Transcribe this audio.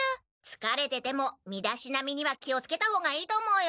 つかれてても身だしなみには気をつけた方がいいと思うよ。